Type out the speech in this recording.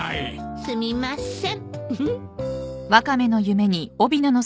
すみません。